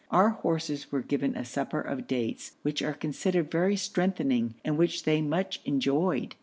Our horses were given a supper of dates, which are considered very strengthening, and which they much enjoyed.